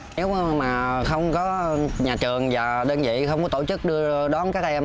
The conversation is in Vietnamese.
nếu mà không có nhà trường và đơn vị không có tổ chức đưa đón các em